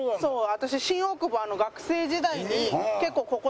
私新大久保。